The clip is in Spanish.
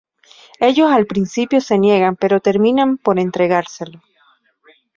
Ellos al principio se niegan, pero terminan por entregárselo.